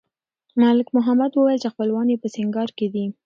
ملک محمد وویل چې خپلوان یې په سینګران کې دي.